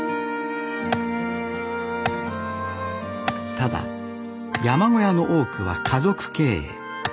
ただ山小屋の多くは家族経営。